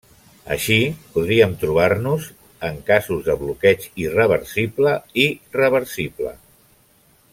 Així, podríem trobar-nos en casos de bloqueig irreversible i reversible.